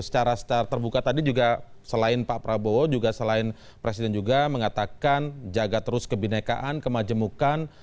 secara terbuka tadi juga selain pak prabowo juga selain presiden juga mengatakan jaga terus kebinekaan kemajemukan